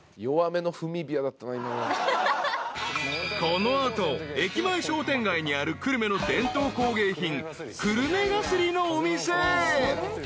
［この後駅前商店街にある久留米の伝統工芸品久留米絣のお店へ］